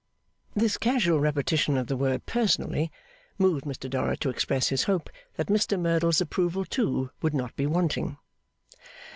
This casual repetition of the word 'personally,' moved Mr Dorrit to express his hope that Mr Merdle's approval, too, would not be wanting?